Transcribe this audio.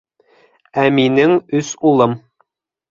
— Ә минең өс улым.